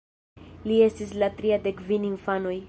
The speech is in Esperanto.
Li estis la tria de kvin infanoj.